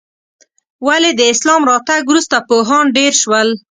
ولې د اسلام راتګ وروسته پوهان ډېر شول؟